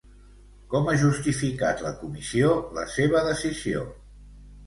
Com ha justificat la Comissió la seva decisió?